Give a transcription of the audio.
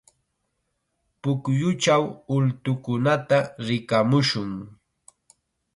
Pukyuchaw ultukunata rikamushun.